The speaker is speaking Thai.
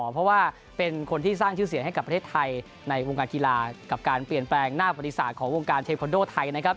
เพราะว่าเป็นคนที่สร้างชื่อเสียงให้กับประเทศไทยในวงการกีฬากับการเปลี่ยนแปลงหน้าปฏิศาสตร์ของวงการเทคอนโดไทยนะครับ